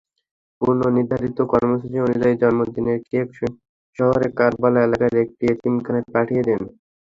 পূর্বনির্ধারিত কর্মসূচি অনুযায়ী জন্মদিনের কেক শহরের কারবালা এলাকার একটি এতিমখানায় পাঠিয়ে দেন।